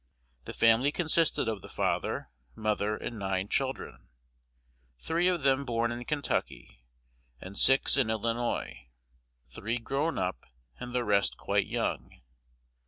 The family consisted of the father, mother, and nine children, three of them born in Kentucky and six in Illinois; three grown up, and the rest quite young.